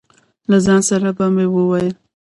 له ځان سره به مې وویل.